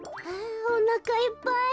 おなかいっぱい。